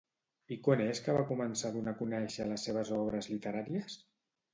I quan és que va començar a donar a conèixer les seves obres literàries?